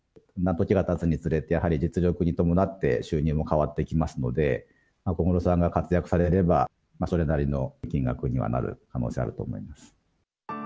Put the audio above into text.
時がたつにつれて、実力に伴って収入も変わってきますので、小室さんが活躍されれば、それなりの金額にはなる可能性あると思います。